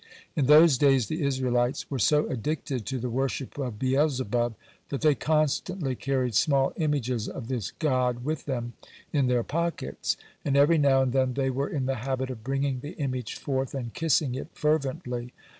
(101) In those days the Israelites were so addicted to the worship of Beelzebub that they constantly carried small images of this god with them in their pockets, and every now and then they were in the habit of bringing the image forth and kissing it fervently.